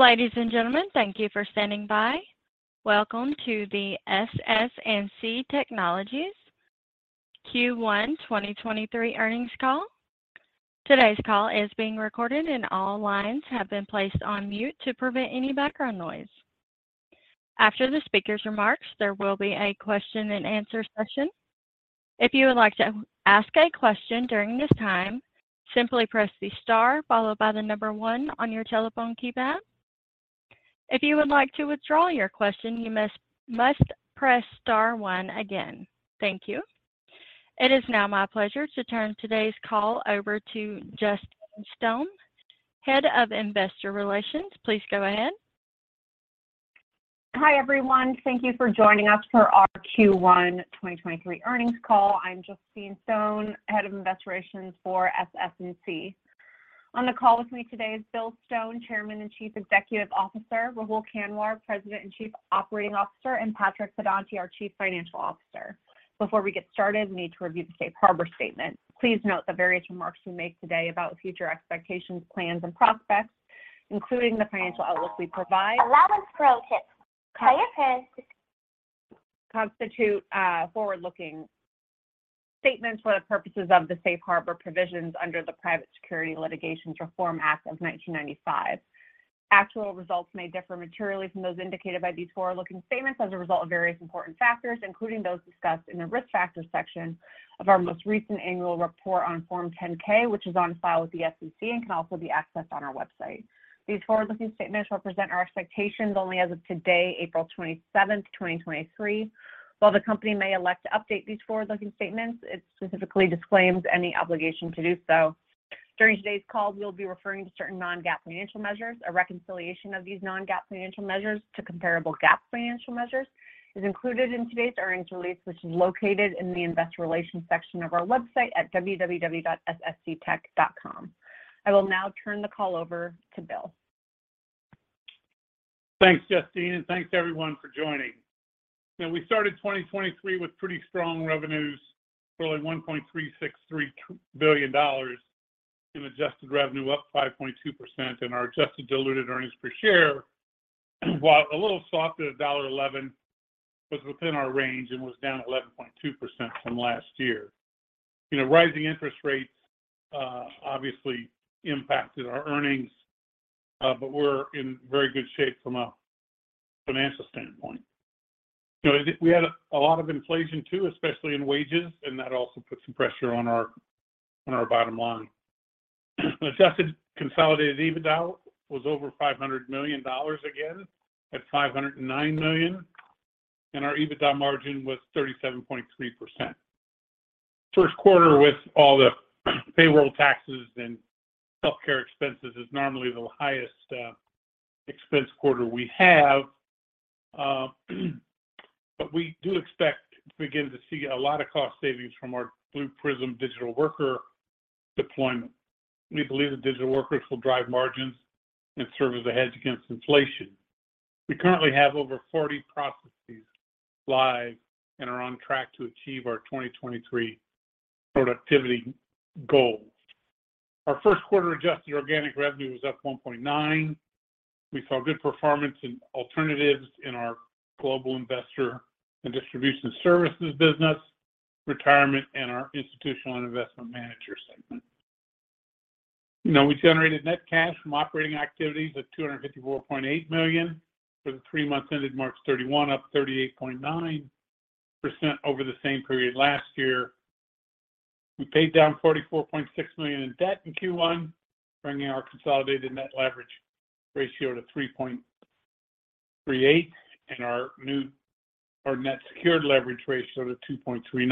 Ladies and gentlemen, thank you for standing by. Welcome to the SS&C Technologies Q1 2023 earnings call. Today's call is being recorded and all lines have been placed on mute to prevent any background noise. After the speaker's remarks, there will be a question and answer session. If you would like to ask a question during this time, simply press the star followed by the number one on your telephone keypad. If you would like to withdraw your question, you must press star one again. Thank you. It is now my pleasure to turn today's call over to Justine Stone, Head of Investor Relations. Please go ahead. Hi, everyone. Thank you for joining us for our Q1 2023 earnings call. I'm Justine Stone, Head of Investor Relations for SS&C. On the call with me today is Bill Stone, Chairman and Chief Executive Officer; Rahul Kanwar, President and Chief Operating Officer; and Patrick Pedonti, our Chief Financial Officer. Before we get started, we need to review the safe harbor statement. Please note the various remarks we make today about future expectations, plans, and prospects, including the financial outlook we provide- Allow us pro tips. Pay your bills. Constitute forward-looking statements for the purposes of the safe harbor provisions under the Private Securities Litigation Reform Act of 1995. Actual results may differ materially from those indicated by these forward-looking statements as a result of various important factors, including those discussed in the risk factors section of our most recent annual report on Form 10-K, which is on file with the SEC and can also be accessed on our website. These forward-looking statements represent our expectations only as of today, April 27, 2023. While the company may elect to update these forward-looking statements, it specifically disclaims any obligation to do so. During today's call, we'll be referring to certain non-GAAP financial measures. A reconciliation of these non-GAAP financial measures to comparable GAAP financial measures is included in today's earnings release, which is located in the investor relations section of our website at www.ssctech.com. I will now turn the call over to Bill. Thanks, Justine, and thanks everyone for joining. You know, we started 2023 with pretty strong revenues, totaling $1.363 billion in adjusted revenue, up 5.2%, and our adjusted diluted earnings per share, while a little softer at $1.11, was within our range and was down 11.2% from last year. You know, rising interest rates, obviously impacted our earnings, we're in very good shape from a financial standpoint. You know, we had a lot of inflation too, especially in wages, that also put some pressure on our bottom line. Adjusted consolidated EBITDA was over $500 million again at $509 million, our EBITDA margin was 37.3%. First quarter with all the payroll taxes and healthcare expenses is normally the highest expense quarter we have. We do expect to begin to see a lot of cost savings from our Blue Prism digital worker deployment. We believe the digital workers will drive margins and serve as a hedge against inflation. We currently have over 40 processes live and are on track to achieve our 2023 productivity goals. Our first quarter adjusted organic revenue was up 1.9%. We saw good performance in alternatives in our Global Investor and Distribution Services business, retirement, and our institutional and investment manager segment. You know, we generated net cash from operating activities at $254.8 million for the three months ended March 31, up 38.9% over the same period last year. We paid down $44.6 million in debt in Q1, bringing our consolidated net leverage ratio to 3.38 and our net secured leverage ratio to 2.39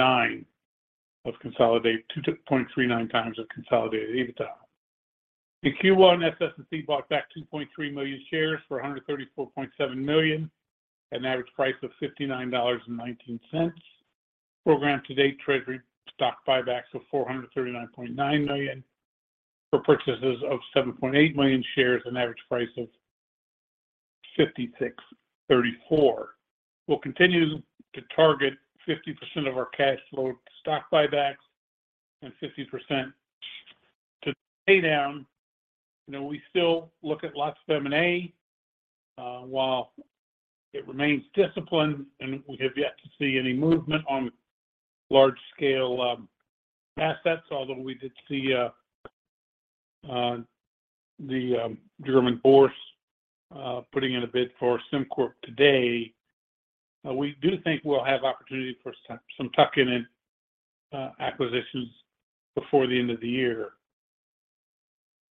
times of consolidated EBITDA. In Q1, SS&C bought back 2.3 million shares for $134.7 million at an average price of $59.19. Program to date treasury stock buybacks of $439.9 million for purchases of 7.8 million shares an average price of $56.34. We'll continue to target 50% of our cash flow to stock buybacks and 50% to pay down. You know, we still look at lots of M&A. While it remains disciplined and we have yet to see any movement on large-scale assets, although we did see the Deutsche Börse putting in a bid for SimCorp today. We do think we'll have opportunity for some tuck-in acquisitions before the end of the year.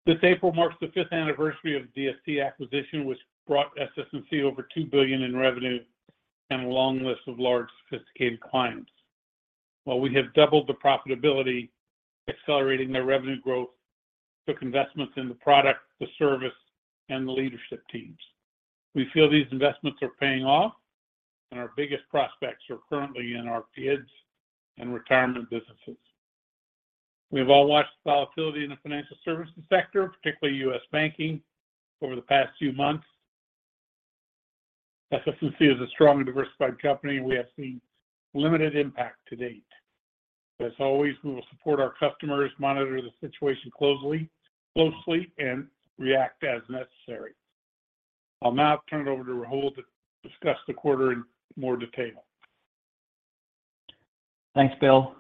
This April marks the fifth anniversary of the DST acquisition, which brought SS&C over $2 billion in revenue and a long list of large, sophisticated clients. While we have doubled the profitability, accelerating their revenue growth, took investments in the product, the service, and the leadership teams. We feel these investments are paying off, and our biggest prospects are currently in our KIDS and retirement businesses. We've all watched the volatility in the financial services sector, particularly U.S. banking, over the past few months. SS&C is a strong and diversified company, and we have seen limited impact to date. As always, we will support our customers, monitor the situation closely, and react as necessary. I'll now turn it over to Rahul to discuss the quarter in more detail. Thanks, Bill.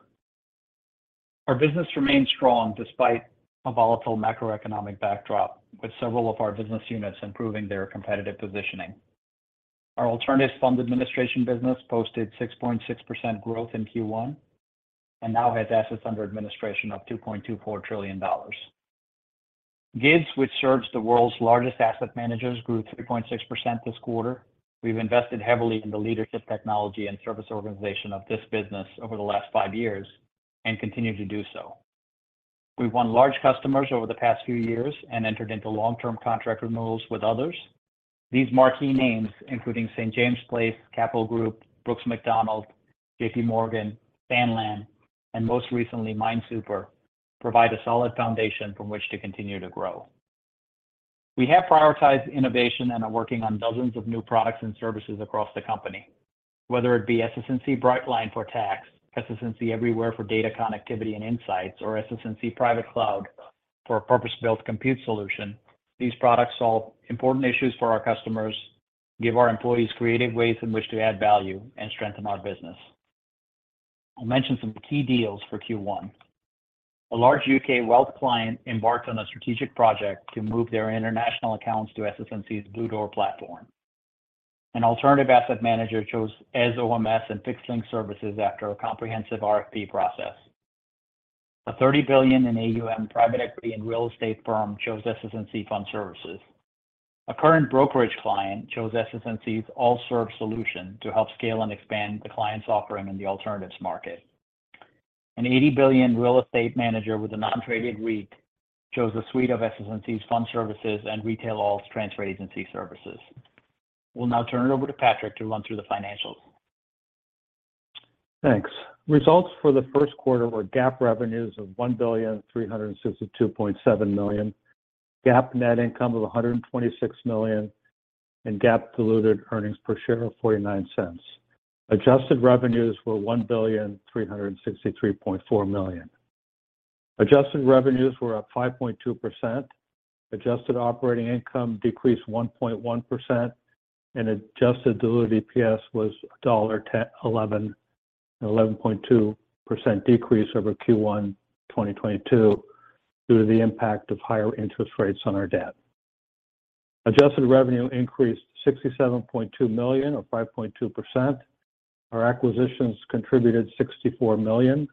Our business remains strong despite a volatile macroeconomic backdrop, with several of our business units improving their competitive positioning. Our alternatives fund administration business posted 6.6% growth in Q1, and now has assets under administration of $2.24 trillion. GIDS, which serves the world's largest asset managers, grew 3.6% this quarter. We've invested heavily in the leadership technology and service organization of this business over the last five years and continue to do so. We've won large customers over the past few years and entered into long-term contract renewals with others. These marquee names, including St. James's Place, Capital Group, Brooks Macdonald, JP Morgan, Vanguard, and most recently, Mine Super, provide a solid foundation from which to continue to grow. We have prioritized innovation and are working on dozens of new products and services across the company. Whether it be SS&C BrightLine for tax, SS&C Everywhere for data connectivity and insights, or SS&C Private Cloud for a purpose-built compute solution, these products solve important issues for our customers, give our employees creative ways in which to add value, and strengthen our business. I'll mention some key deals for Q1. A large U.K. wealth client embarked on a strategic project to move their international accounts to SS&C's Bluedoor platform. An alternative asset manager chose asOMS and FIXLink services after a comprehensive RFP process. A $30 billion in AUM private equity and real estate firm chose SS&C Fund Services. A current brokerage client chose SS&C's ALTSERVE solution to help scale and expand the client's offering in the alternatives market. A $80 billion real estate manager with a non-traded REIT chose a suite of SS&C's Fund Services and retail alt transfer agency services. We'll now turn it over to Patrick to run through the financials. Thanks. Results for the first quarter were GAAP revenues of $1,362.7 million, GAAP net income of $126 million, and GAAP diluted earnings per share of $0.49. Adjusted revenues were $1,363.4 million. Adjusted revenues were up 5.2%. Adjusted operating income decreased 1.1%. Adjusted diluted EPS was $1.11, an 11.2% decrease over Q1 2022 due to the impact of higher interest rates on our debt. Adjusted revenue increased $67.2 million or 5.2%. Our acquisitions contributed $64 million.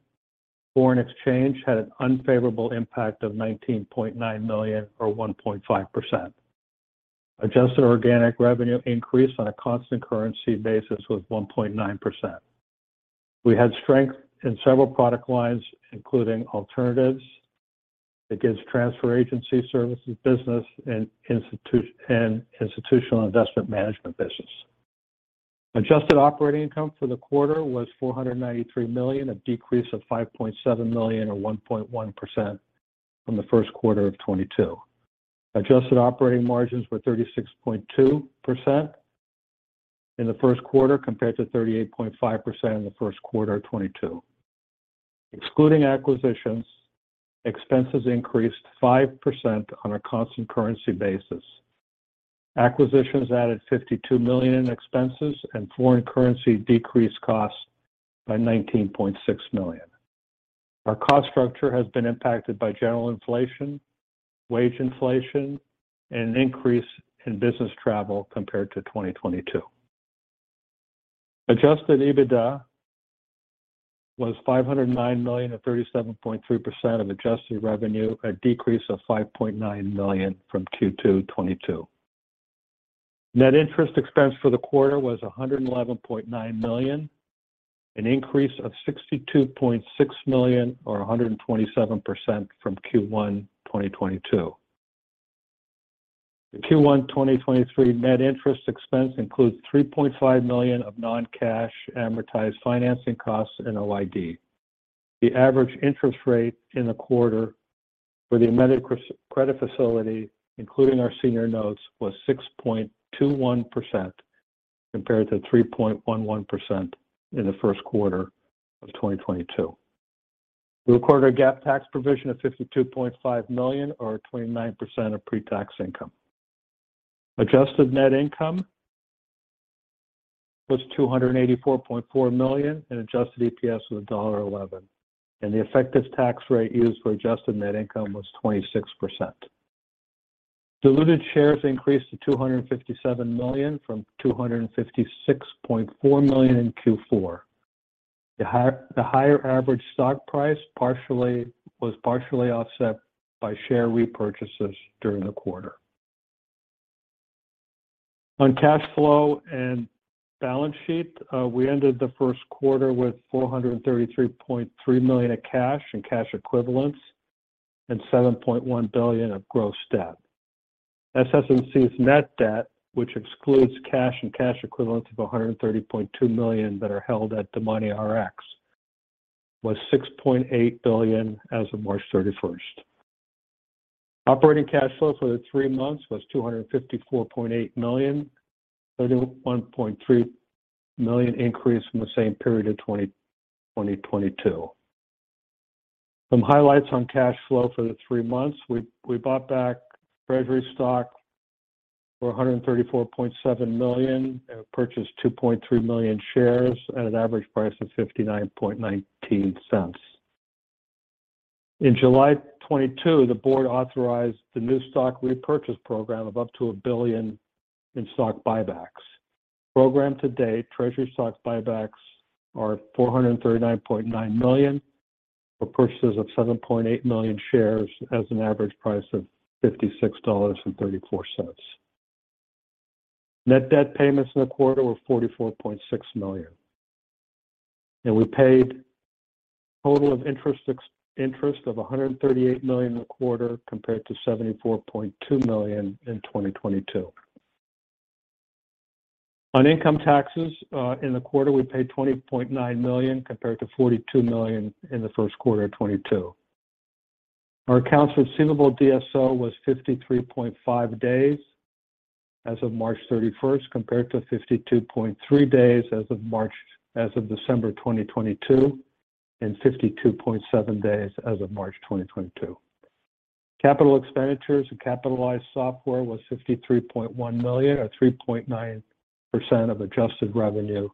Foreign exchange had an unfavorable impact of $19.9 million or 1.5%. Adjusted organic revenue increase on a constant currency basis was 1.9%. We had strength in several product lines, including alternatives, the GIDS transfer agency services business, and institutional investment management business. Adjusted operating income for the quarter was $493 million, a decrease of $5.7 million or 1.1% from the first quarter of 2022. Adjusted operating margins were 36.2% in the first quarter, compared to 38.5% in the first quarter of 2022. Excluding acquisitions, expenses increased 5% on a constant currency basis. Acquisitions added $52 million in expenses, and foreign currency decreased costs by $19.6 million. Our cost structure has been impacted by general inflation, wage inflation, and an increase in business travel compared to 2022. Adjusted EBITDA was $509 million or 37.3% of adjusted revenue, a decrease of $5.9 million from Q2 2022. Net interest expense for the quarter was $111.9 million, an increase of $62.6 million or 127% from Q1 2022. The Q1 2023 net interest expense includes $3.5 million of non-cash amortized financing costs and OID. The average interest rate in the quarter for the amended credit facility, including our senior notes, was 6.21% compared to 3.11% in the first quarter of 2022. We recorded a GAAP tax provision of $52.5 million or 29% of pre-tax income. Adjusted net income was $284.4 million, and adjusted EPS was $1.11. The effective tax rate used for adjusted net income was 26%. Diluted shares increased to 257 million from 256.4 million in Q4. The higher average stock price was partially offset by share repurchases during the quarter. On cash flow and balance sheet, we ended the first quarter with $433.3 million of cash and cash equivalents and $7.1 billion of gross debt. SS&C's net debt, which excludes cash and cash equivalents of $130.2 million that are held at DomaniRx, was $6.8 billion as of March 31st. Operating cash flow for the three months was $254.8 million, $31.3 million increase from the same period of 2022. Some highlights on cash flow for the three months. We bought back treasury stock for $134.7 million and purchased 2.3 million shares at an average price of $0.5919. In July 2022, the board authorized the new stock repurchase program of up to $1 billion in stock buybacks. Program to date, treasury stock buybacks are $439.9 million for purchases of 7.8 million shares at an average price of $56.34. Net debt payments in the quarter were $44.6 million. We paid total of interest of $138 million in the quarter, compared to $74.2 million in 2022. Income taxes, in the quarter, we paid $20.9 million, compared to $42 million in the first quarter of 2022. Our accounts receivable DSO was 53.5 days as of March 31st, compared to 52.3 days as of December 2022, and 52.7 days as of March 2022. Capital expenditures and capitalized software was $53.1 million, or 3.9% of adjusted revenue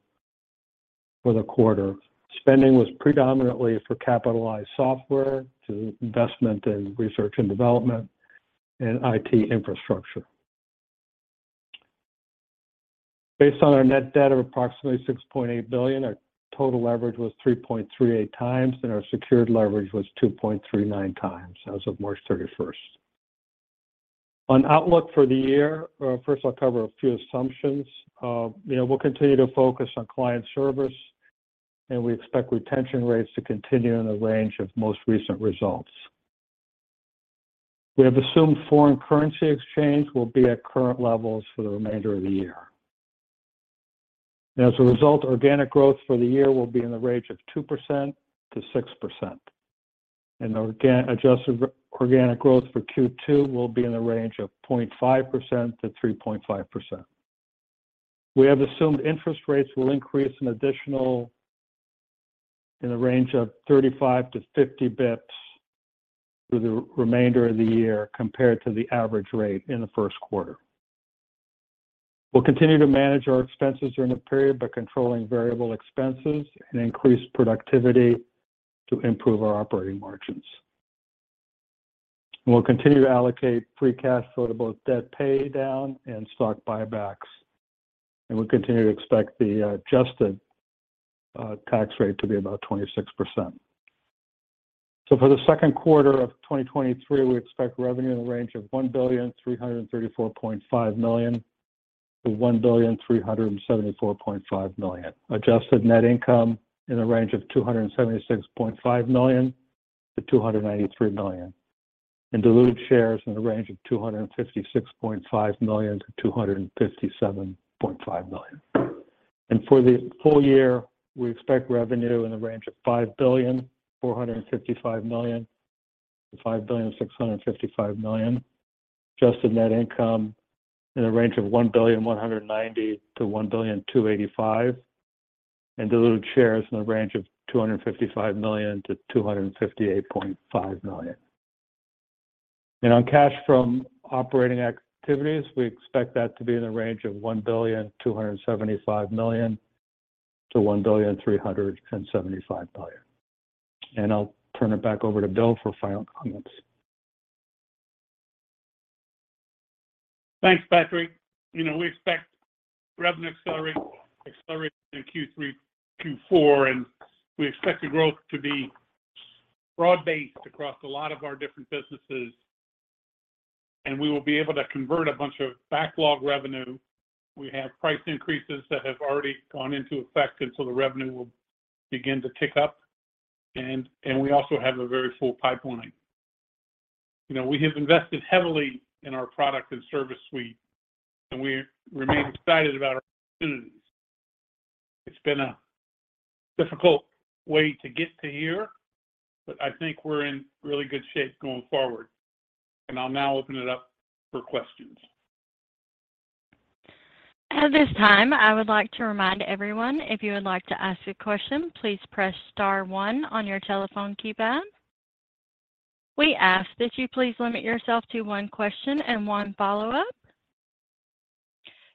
for the quarter. Spending was predominantly for capitalized software to investment in research and development and IT infrastructure. Based on our net debt of approximately $6.8 billion, our total leverage was 3.38x, and our secured leverage was 2.39x as of March 31st. On outlook for the year, first I'll cover a few assumptions. You know, we'll continue to focus on client service, and we expect retention rates to continue in the range of most recent results. We have assumed foreign currency exchange will be at current levels for the remainder of the year. As a result, organic growth for the year will be in the range of 2%-6%. Adjusted organic growth for Q2 will be in the range of 0.5%-3.5%. We have assumed interest rates will increase an additional in the range of 35-50 basis points for the remainder of the year compared to the average rate in the first quarter. We'll continue to manage our expenses during the period by controlling variable expenses and increase productivity to improve our operating margins. We'll continue to allocate free cash flow to both debt pay down and stock buybacks, and we continue to expect the adjusted tax rate to be about 26%. For the second quarter of 2023, we expect revenue in the range of $1,334.5 million-$1,374.5 million. Adjusted net income in the range of $276.5 million-$293 million. Diluted shares in the range of 256.5 million-257.5 million. For the full year, we expect revenue in the range of $5,455 million-$5,655 million. Adjusted net income in the range of $1,190 million-$1,285 million. Diluted shares in the range of 255 million-258.5 million. On cash from operating activities, we expect that to be in the range of $1.275 billion-$1.375 billion. I'll turn it back over to Bill for final comments. Thanks, Patrick. You know, we expect revenue to accelerate through Q3, Q4, and we expect the growth to be broad-based across a lot of our different businesses, and we will be able to convert a bunch of backlog revenue. We have price increases that have already gone into effect, and so the revenue will begin to tick up and we also have a very full pipeline. You know, we have invested heavily in our product and service suite, and we remain excited about our opportunities. It's been a difficult way to get to here, but I think we're in really good shape going forward. I'll now open it up for questions. At this time, I would like to remind everyone, if you would like to ask a question, please press star one on your telephone keypad. We ask that you please limit yourself to one question and one follow-up.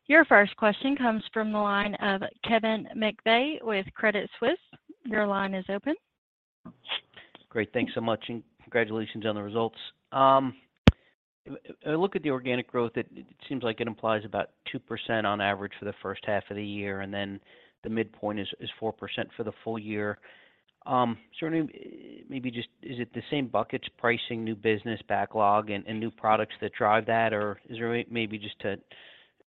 Your first question comes from the line of Kevin McVeigh with Credit Suisse. Your line is open. Great. Thanks so much, and congratulations on the results. When I look at the organic growth, it seems like it implies about 2% on average for the first half of the year, and then the midpoint is 4% for the full year. I mean, maybe just is it the same buckets pricing new business backlog and new products that drive that? Or is there maybe just to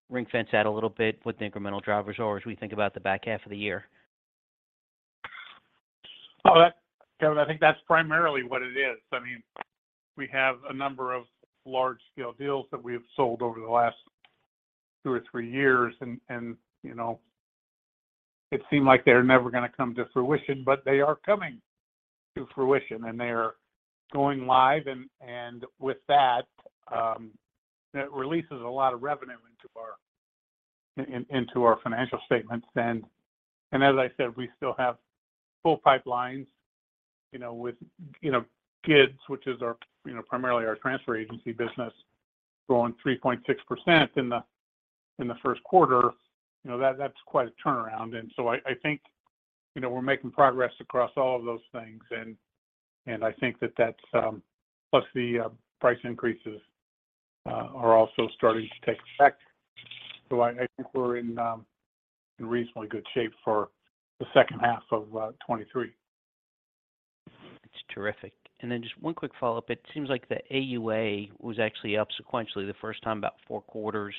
ring-fence that a little bit, what the incremental drivers are as we think about the back half of the year? Kevin, I think that's primarily what it is. I mean, we have a number of large-scale deals that we have sold over the last two or three years and, you know, it seemed like they were never going to come to fruition, but they are coming to fruition, and they are going live. With that releases a lot of revenue into our financial statements. As I said, we still have full pipelines, you know, with, you know, KIDS, which is our, you know, primarily our transfer agency business growing 3.6% in the first quarter. You know, that's quite a turnaround. So I think, you know, we're making progress across all of those things. I think that that's, plus the price increases are also starting to take effect. I think we're in reasonably good shape for the second half of 2023. That's terrific. Then just one quick follow-up. It seems like the AUA was actually up sequentially the first time about four quarters,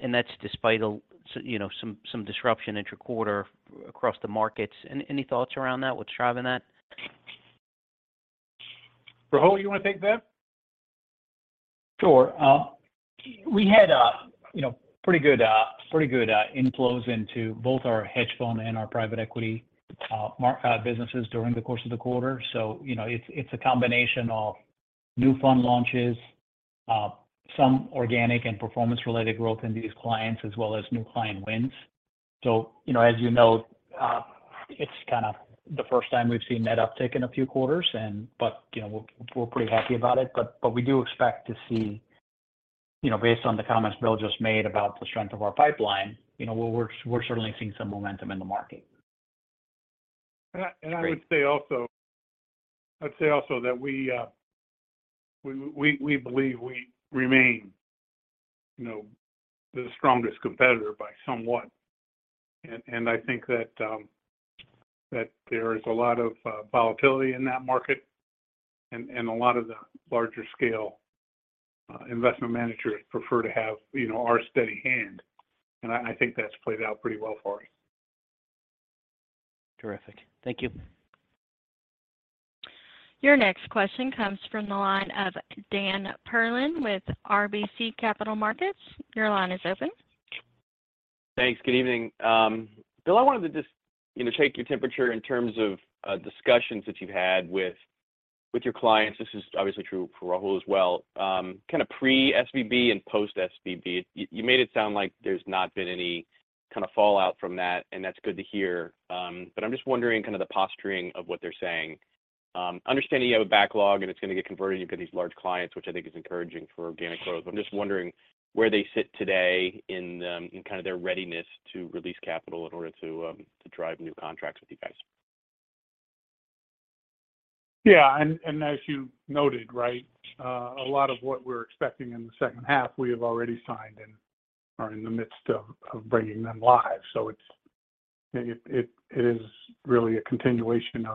and that's despite a, you know, some disruption interquarter across the markets. Any thoughts around that, what's driving that? Rahul, you want to take that? Sure. We had, you know, pretty good inflows into both our hedge fund and our private equity businesses during the course of the quarter. You know, it's a combination of new fund launches, some organic and performance-related growth in these clients, as well as new client wins. You know, as you know, it's kind of the first time we've seen that uptick in a few quarters and but, you know, we're pretty happy about it. But we do expect to see, you know, based on the comments Bill just made about the strength of our pipeline, you know, we're certainly seeing some momentum in the market. Great. I'd say also that we believe we remain, you know, the strongest competitor by somewhat. I think that there is a lot of volatility in that market and a lot of the larger scale investment managers prefer to have, you know, our steady hand. I think that's played out pretty well for us. Terrific. Thank you. Your next question comes from the line of Dan Perlin with RBC Capital Markets. Your line is open. Thanks. Good evening. Bill Stone, I wanted to just, you know, take your temperature in terms of discussions that you've had with your clients. This is obviously true for Rahul Kanwar as well. Kind of pre-SVB and post-SVB, you made it sound like there's not been any kind of fallout from that, and that's good to hear. I'm just wondering kind of the posturing of what they're saying. Understanding you have a backlog, and it's going to get converted, you've got these large clients, which I think is encouraging for organic growth. I'm just wondering where they sit today in kind of their readiness to release capital in order to drive new contracts with you guys. Yeah. As you noted, right, a lot of what we're expecting in the second half, we have already signed and are in the midst of bringing them live. It's really a continuation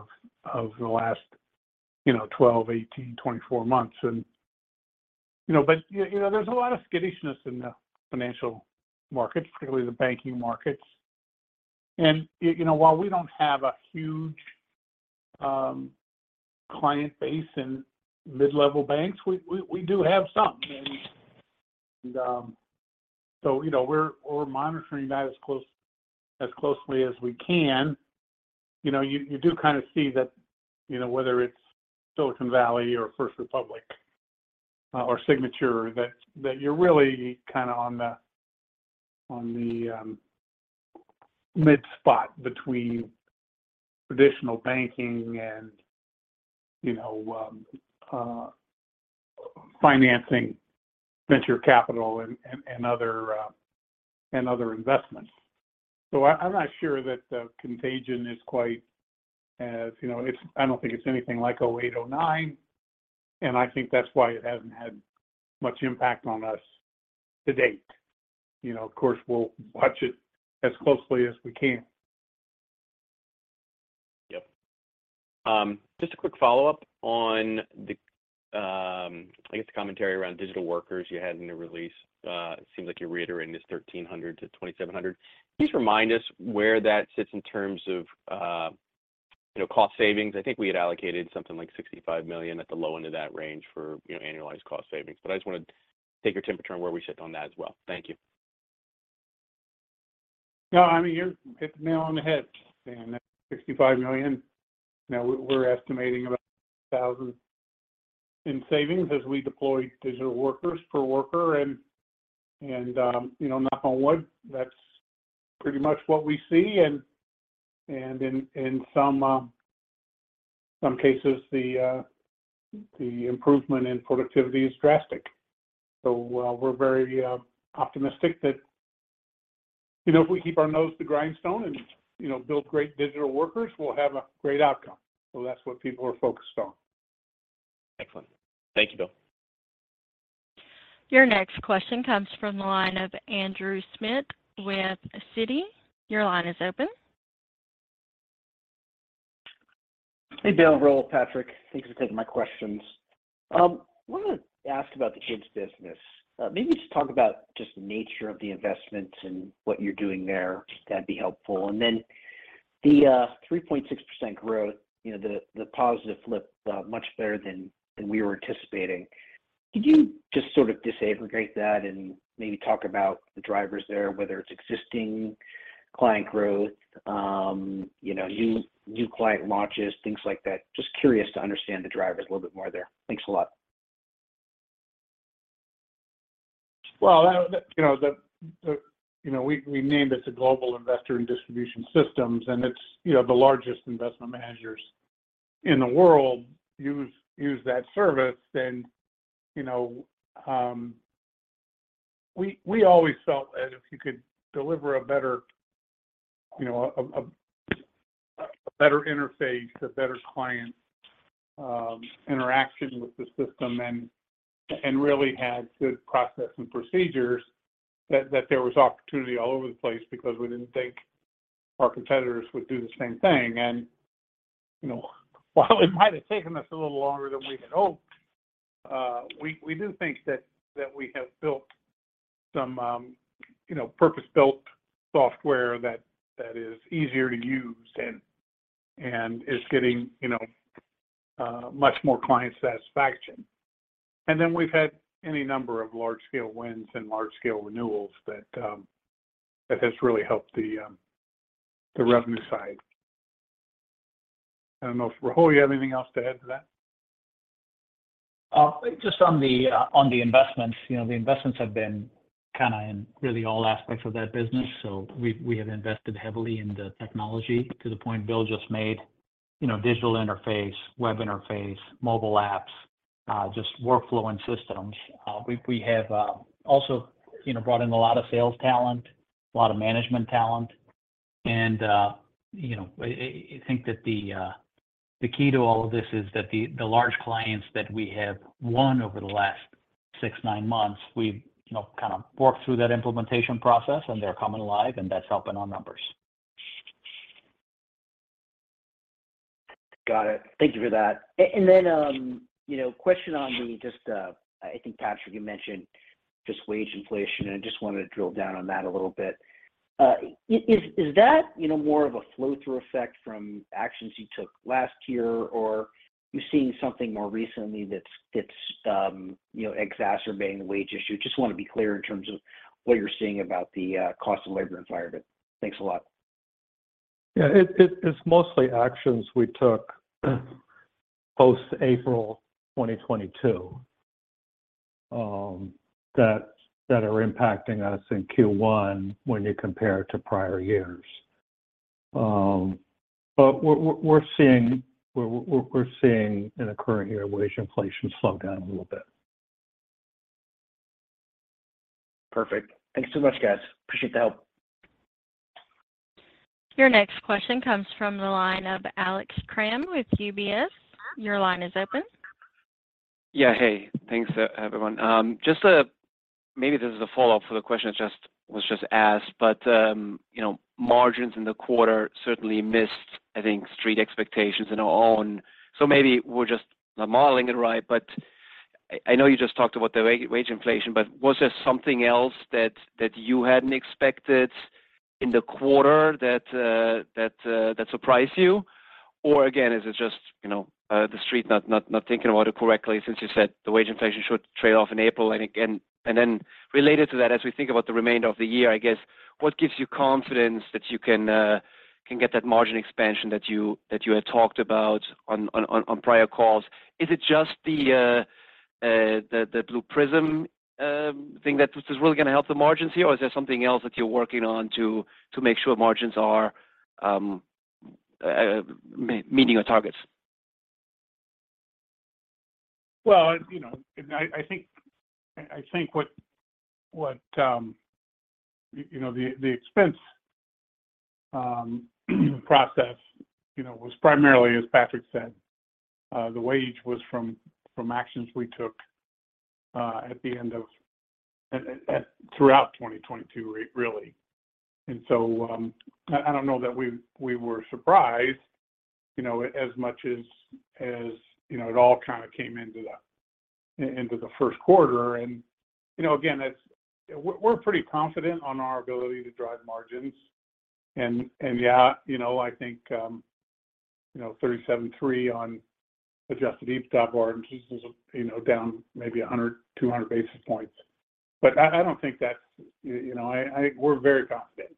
of the last, you know, 12, 18, 24 months. You know, but, you know, there's a lot of skittishness in the financial markets, particularly the banking markets. You know, while we don't have a huge client base in mid-level banks, we do have some. So, you know, we're monitoring that as closely as we can. You know, you do kind of see that, you know, whether it's Silicon Valley or First Republic, or Signature, that you're really kind of on the mid-spot between traditional banking and, you know, financing venture capital and other investments. I'm not sure that the contagion is quite as, you know. I don't think it's anything like 2008, 2009, and I think that's why it hasn't had much impact on us to date. You know, of course, we'll watch it as closely as we can. Yep. Just a quick follow-up on the, I guess the commentary around digital workers you had in the release. It seems like you're reiterating this 1,300-2,700. Can you just remind us where that sits in terms of, you know, cost savings? I think we had allocated something like $65 million at the low end of that range for, you know, annualized cost savings. I just want to take your temperature on where we sit on that as well. Thank you. No, I mean, you're hitting the nail on the head, Dan. $65 million. You know, we're estimating about 1,000 in savings as we deploy digital workers per worker. You know, knock on wood, that's pretty much what we see. In some cases, the improvement in productivity is drastic. While we're very optimistic that, you know, if we keep our nose to the grindstone and, you know, build great digital workers, we'll have a great outcome. That's what people are focused on. Excellent. Thank you, Bill. Your next question comes from the line of Andrew Schmidt with Citi. Your line is open. Hey, Bill and Rahul. Patrick. Thanks for taking my questions. Wanted to ask about the KIDS business. Maybe just talk about just the nature of the investment and what you're doing there. That'd be helpful. The 3.6% growth, you know, positive flip much better than we were anticipating. Could you just sort of disaggregate that and maybe talk about the drivers there, whether it's existing client growth, you know, new client launches, things like that? Just curious to understand the drivers a little bit more there. Thanks a lot. Well, that, you know, the, you know, we named it the Global Investor and Distribution Services. It's, you know, the largest investment managers in the world use that service. You know, we always felt that if you could deliver a better, you know, a better interface, a better client, interaction with the system and really had good process and procedures that there was opportunity all over the place because we didn't think our competitors would do the same thing. You know, while it might have taken us a little longer than we had hoped, we do think that we have built some, you know, purpose-built software that is easier to use and is getting, you know, much more client satisfaction. We've had any number of large scale wins and large scale renewals that has really helped the revenue side. I don't know if, Rahul, you have anything else to add to that? Just on the investments. You know, the investments have been kinda in really all aspects of that business. We, we have invested heavily in the technology to the point Bill just made. You know, digital interface, web interface, mobile apps, just workflow and systems. We, we have also, you know, brought in a lot of sales talent, a lot of management talent. You know, I think that the key to all of this is that the large clients that we have won over the last six, nine months, we've, you know, kind of worked through that implementation process and they're coming alive and that's helping our numbers. Got it. Thank you for that. Then, you know, question on the just, I think, Patrick, you mentioned just wage inflation, and I just wanted to drill down on that a little bit. Is that, you know, more of a flow-through effect from actions you took last year, or you're seeing something more recently that's, you know, exacerbating the wage issue? Just wanna be clear in terms of what you're seeing about the cost of labor environment. Thanks a lot. Yeah. It's mostly actions we took post April 2022, that are impacting us in Q1 when you compare it to prior years. We're seeing and occurring here wage inflation slow down a little bit. Perfect. Thanks so much, guys. Appreciate the help. Your next question comes from the line of Alex Kramm with UBS. Your line is open. Yeah. Hey. Thanks, everyone. Just, maybe this is a follow-up for the question that was just asked, but, you know, margins in the quarter certainly missed, I think, street expectations on our own. Maybe we're just not modeling it right. I know you just talked about the wage inflation, but was there something else that you hadn't expected in the quarter that surprised you? Again, is it just, you know, the street not thinking about it correctly since you said the wage inflation should trade off in April? Then related to that, as we think about the remainder of the year, I guess, what gives you confidence that you can get that margin expansion that you had talked about on prior calls? Is it just the Blue Prism thing which is really gonna help the margins here, or is there something else that you're working on to make sure margins are meeting your targets? Well, you know, I think what, you know, the expense process, you know, was primarily, as Patrick said, the wage was from actions we took at the end of throughout 2022 really. I don't know that we were surprised, you know, as much as, you know, it all kinda came into the first quarter. You know, again, We're pretty confident on our ability to drive margins. Yeah, you know, I think, you know, 37.3% on adjusted EBITDA margins is, you know, down maybe 100, 200 basis points. I don't think that's. You know, We're very confident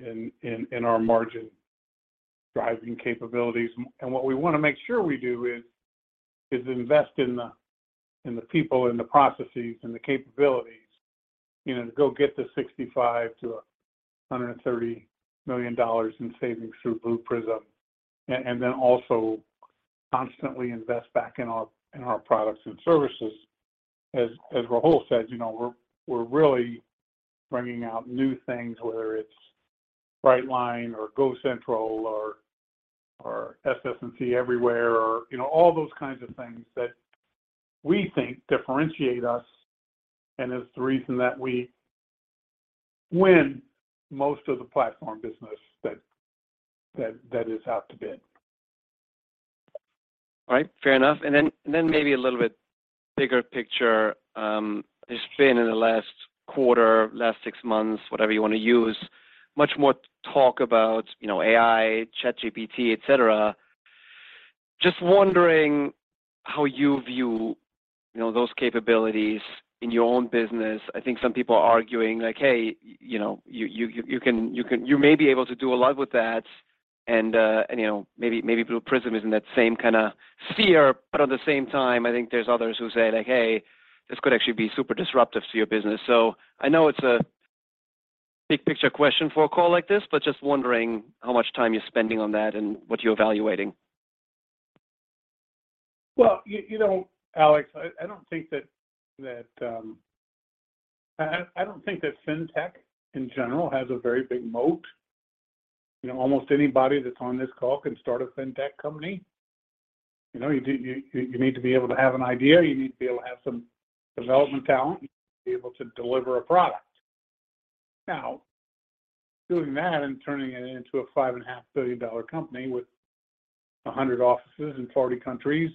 in our margin driving capabilities. What we want to make sure we do is invest in the people and the processes and the capabilities, you know, to go get the $65 million-$130 million in savings through Blue Prism. Then also constantly invest back in our products and services. As Rahul said, you know, we're really bringing out new things, whether it's Brightline or GoCentral or SS&C Everywhere or, you know, all those kinds of things that we think differentiate us and is the reason that we win most of the platform business that is out to bid. All right, fair enough. Then maybe a little bit bigger picture. There's been in the last quarter, last six months, whatever you wanna use, much more talk about, you know, AI, ChatGPT, et cetera. Just wondering how you view, you know, those capabilities in your own business. I think some people are arguing like, "Hey, you know, You may be able to do a lot with that." You know, maybe Blue Prism is in that same kinda sphere. At the same time, I think there's others who say like, "Hey, this could actually be super disruptive to your business." I know it's a big picture question for a call like this, just wondering how much time you're spending on that and what you're evaluating. Well, you know, Alex, I don't think that I don't think that FinTech in general has a very big moat. You know, almost anybody that's on this call can start a FinTech company. You know, you need to be able to have an idea. You need to be able to have some development talent to be able to deliver a product. Doing that and turning it into a $5.5 billion company with 100 offices in 40 countries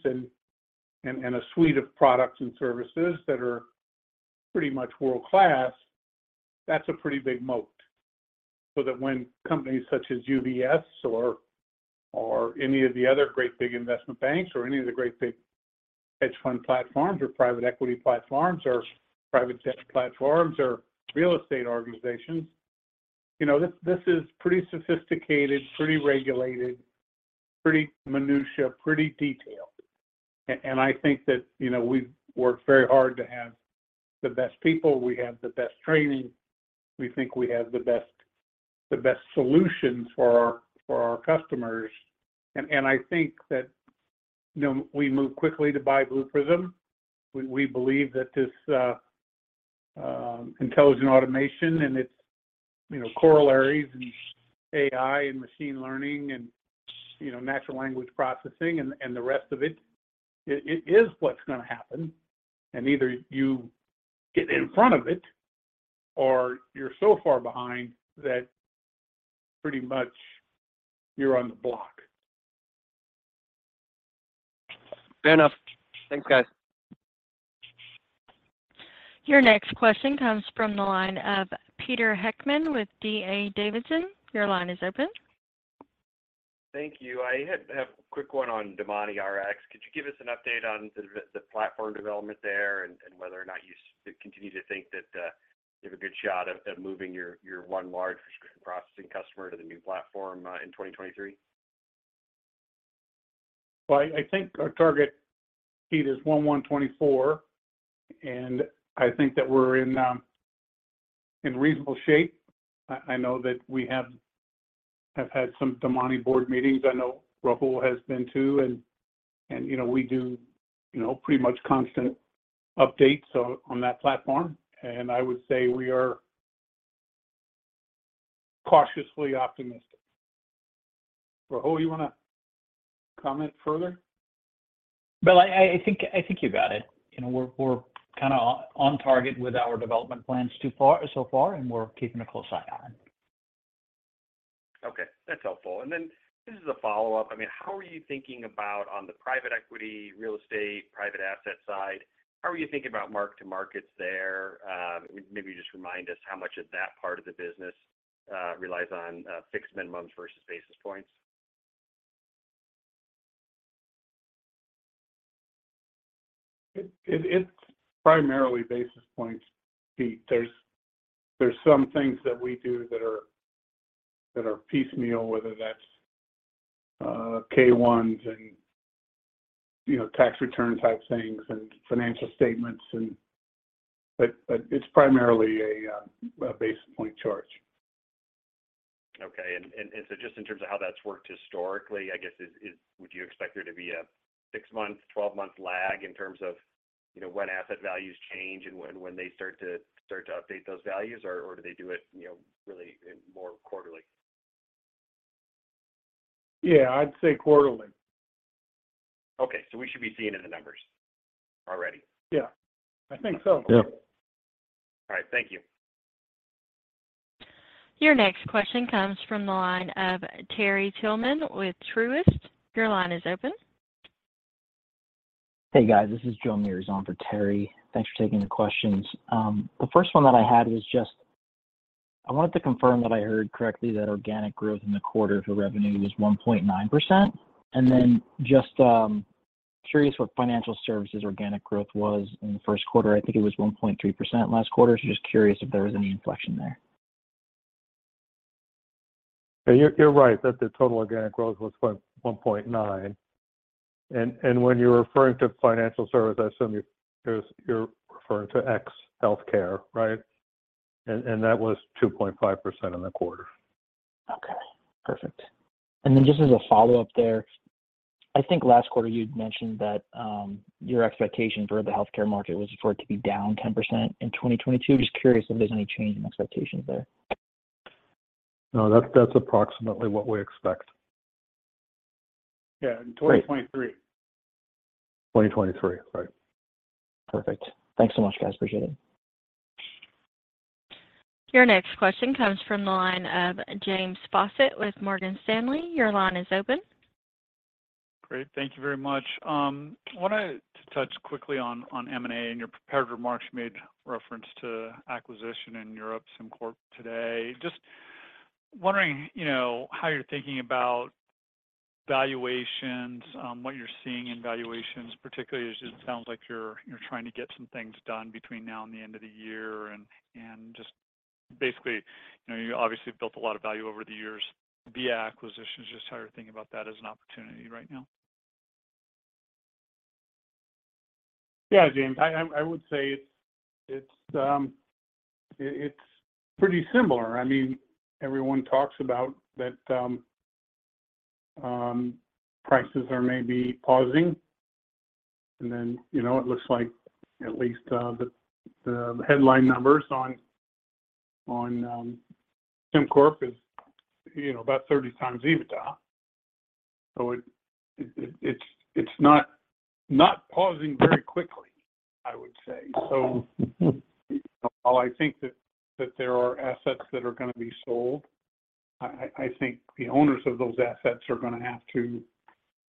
and a suite of products and services that are pretty much world-class, that's a pretty big moat. That when companies such as UBS or any of the other great big investment banks or any of the great big hedge fund platforms or private equity platforms or private debt platforms or real estate organizations, you know, this is pretty sophisticated, pretty regulated, pretty minutiae, pretty detailed. I think that, you know, we've worked very hard to have the best people. We have the best training. We think we have the best solutions for our customers. I think that, you know, we moved quickly to buy Blue Prism. We believe that this intelligent automation and its, you know, corollaries in AI and machine learning and, you know, natural language processing and the rest of it is what's gonna happen. Either you get in front of it or you're so far behind that pretty much you're on the block. Fair enough. Thanks, guys. Your next question comes from the line of Peter Heckmann with D.A. Davidson. Your line is open. Thank you. I had a quick one on DomaniRx. Could you give us an update on the platform development there and whether or not you continue to think that you have a good shot at moving your one large prescription processing customer to the new platform in 2023? Well, I think our target, Pete, is 124, and I think that we're in reasonable shape. I know that we have had some DomaniRx board meetings. I know Rahul has been too, and, you know, we do, you know, pretty much constant updates on that platform. I would say we are cautiously optimistic. Rahul, you wanna comment further? Bill, I think you got it. You know, we're kinda on target with our development plans so far, and we're keeping a close eye on it. Okay, that's helpful. Just as a follow-up, I mean, how are you thinking about on the private equity, real estate, private asset side, how are you thinking about mark-to-markets there? Maybe just remind us how much of that part of the business relies on fixed minimums versus basis points? It's primarily basis points, Pete. There's some things that we do that are, that are piecemeal, whether that's K-1s and, you know, tax return type things and financial statements and. It's primarily a basis point charge. Okay. Just in terms of how that's worked historically, I guess, is would you expect there to be a six-month, 12-month lag in terms of, you know, when asset values change and when they start to update those values? Or do they do it, you know, really in more quarterly? Yeah, I'd say quarterly. Okay. We should be seeing it in the numbers already? Yeah. I think so. Yeah. All right. Thank you. Your next question comes from the line of Terry Tillman with Truist. Your line is open. Hey, guys. This is Joe Meares for Terry. Thanks for taking the questions. The first one that I had was just I wanted to confirm that I heard correctly that organic growth in the quarter for revenue was 1.9%. Then just curious what financial services organic growth was in the first quarter. I think it was 1.3% last quarter. Just curious if there was any inflection there. You're right that the total organic growth was 1.9. When you're referring to financial service, I assume you're referring to ex healthcare, right? That was 2.5% in the quarter. Okay. Perfect. Then just as a follow-up there, I think last quarter you'd mentioned that, your expectation for the healthcare market was for it to be down 10% in 2022. Just curious if there's any change in expectations there. No, that's approximately what we expect. Yeah, in 2023. 2023, right. Perfect. Thanks so much, guys. Appreciate it. Your next question comes from the line of James Faucette with Morgan Stanley. Your line is open. Great. Thank you very much. I wanted to touch quickly on M&A. In your prepared remarks, you made reference to acquisition in Europe, SimCorp today. Just wondering, you know, how you're thinking about valuations, what you're seeing in valuations, particularly as it sounds like you're trying to get some things done between now and the end of the year. Just basically, you know, you obviously have built a lot of value over the years via acquisitions. Just how are you thinking about that as an opportunity right now? Yeah, James, I would say it's pretty similar. I mean, everyone talks about that prices are maybe pausing. You know, it looks like at least the headline numbers on SimCorp is, you know, about 30 times EBITDA. It's not pausing very quickly, I would say. While I think that there are assets that are gonna be sold, I think the owners of those assets are gonna have to,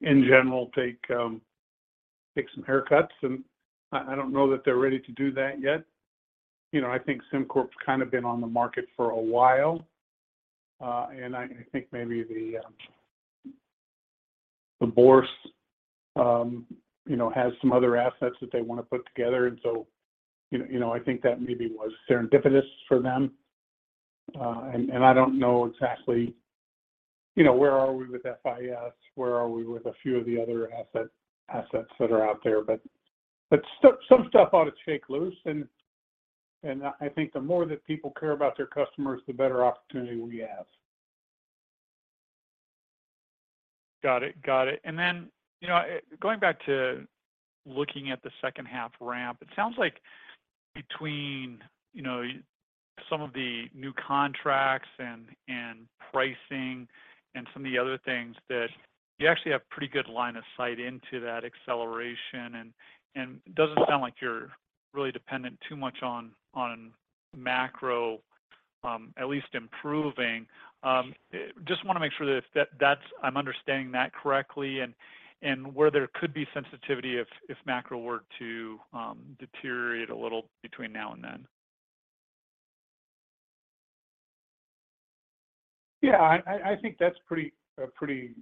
in general, take some haircuts. I don't know that they're ready to do that yet. You know, I think SimCorp's kind of been on the market for a while. I think maybe the Bourse, you know, has some other assets that they wanna put together. You know, you know, I think that maybe was serendipitous for them. I don't know exactly, you know, where are we with FIS? Where are we with a few of the other assets that are out there. Some stuff ought to shake loose. I think the more that people care about their customers, the better opportunity we have. Got it. Got it. Then, you know, going back to looking at the second half ramp, it sounds like between, you know, some of the new contracts and pricing and some of the other things that you actually have pretty good line of sight into that acceleration. It doesn't sound like you're really dependent too much on macro, at least improving. Just wanna make sure that's I'm understanding that correctly and where there could be sensitivity if macro were to deteriorate a little between now and then? Yeah. I think that's a pretty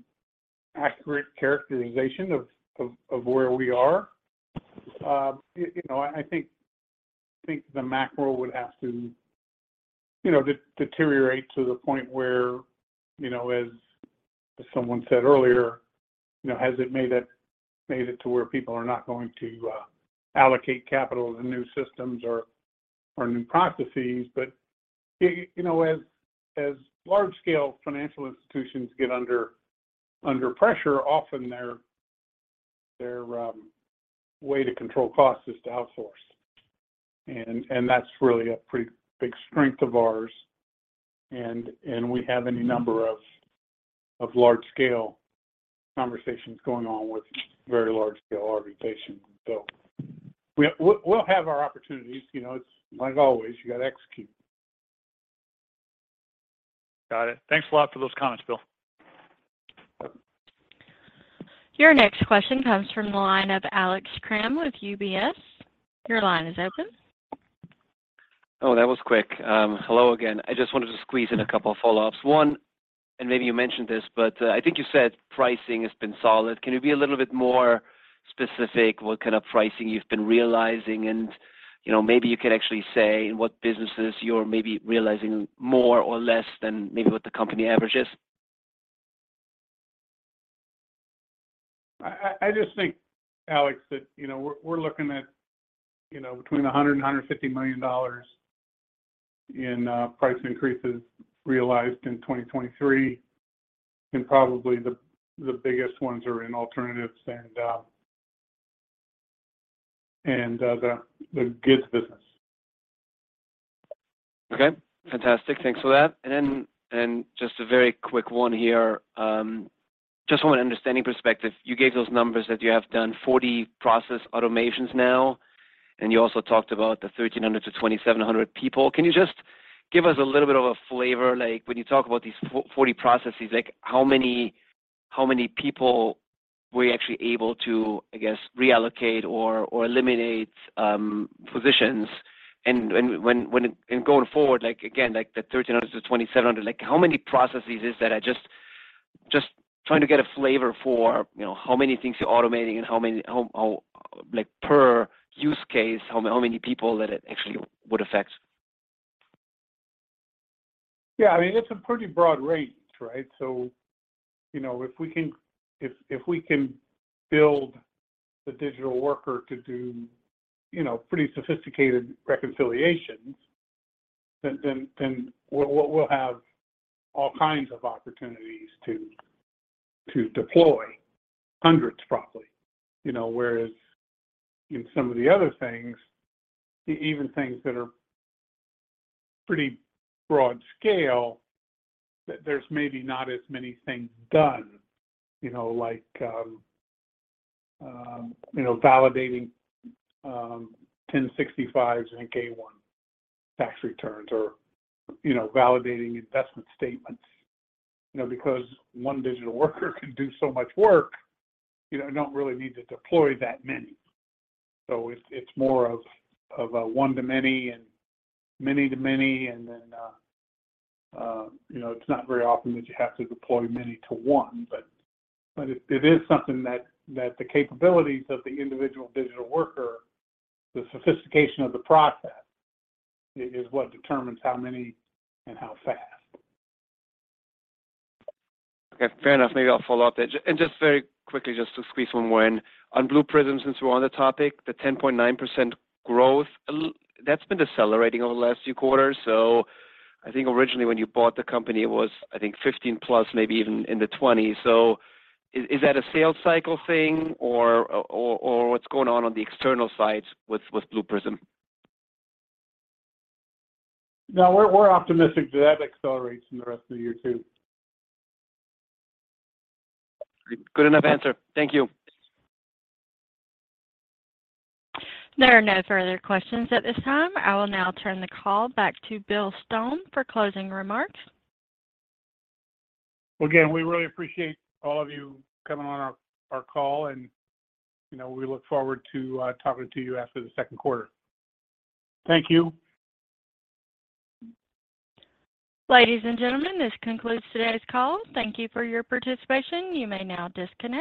accurate characterization of where we are. you know, I think the macro would have to, you know, deteriorate to the point where, you know, as someone said earlier, you know, has it made it to where people are not going to allocate capital in new systems or new processes. you know, as large scale financial institutions get under pressure, often their way to control costs is to outsource. That's really a pretty big strength of ours. We have any number of large scale conversations going on with very large scale organizations. We'll have our opportunities. You know, it's like always, you gotta execute. Got it. Thanks a lot for those comments, Bill. Your next question comes from the line of Alex Kramm with UBS. Your line is open. Oh, that was quick. Hello again. I just wanted to squeeze in a couple of follow-ups. One, and maybe you mentioned this, but, I think you said pricing has been solid. Can you be a little bit more specific what kind of pricing you've been realizing? You know, maybe you could actually say in what businesses you're maybe realizing more or less than maybe what the company average is? I just think, Alex, that, you know, we're looking at, you know, between $150 million in price increases realized in 2023. Probably the biggest ones are in alternatives and the GIDS business. Okay. Fantastic. Thanks for that. Just a very quick one here, just from an understanding perspective. You gave those numbers that you have done 40 process automations now, and you also talked about the 1,300 to 2,700 people. Can you just give us a little bit of a flavor, like when you talk about these 40 processes, like how many, how many people were you actually able to, I guess, reallocate or eliminate positions? Going forward, like again, like the 1,300 to 2,700, like how many processes is that? Just trying to get a flavor for, you know, how many things you're automating and how many, how, like per use case, how many people that it actually would affect. Yeah. I mean, it's a pretty broad range, right? If we can build the digital worker to do, you know, pretty sophisticated reconciliations, then we'll have all kinds of opportunities to deploy hundreds, probably. Whereas in some of the other things, even things that are pretty broad scale, there's maybe not as many things done, you know, like, validating 1065s and K-1s tax returns or, you know, validating investment statements. Because one digital worker can do so much work, you know, you don't really need to deploy that many. It's more of a one to many and many to many. You know, it's not very often that you have to deploy many to one, but it is something that the capabilities of the individual digital worker, the sophistication of the process is what determines how many and how fast. Okay. Fair enough. Maybe I'll follow up that. Just very quickly, just to squeeze one more in. On Blue Prism, since we're on the topic, the 10.9% growth, that's been decelerating over the last few quarters. I think originally when you bought the company, it was, I think 15+, maybe even in the 20s. Is that a sales cycle thing or what's going on on the external side with Blue Prism? We're optimistic that accelerates in the rest of the year too. Good enough answer. Thank you. There are no further questions at this time. I will now turn the call back to Bill Stone for closing remarks. Again, we really appreciate all of you coming on our call and, you know, we look forward to talking to you after the second quarter. Thank you. Ladies and gentlemen, this concludes today's call. Thank you for your participation. You may now disconnect.